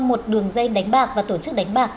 một đường dây đánh bạc và tổ chức đánh bạc